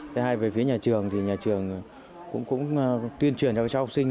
thứ hai về phía nhà trường thì nhà trường cũng tuyên truyền cho các cháu học sinh